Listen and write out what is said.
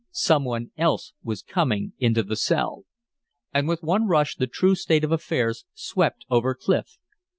Some one else was coming into the cell! And with one rush the true state of affairs swept over Clif.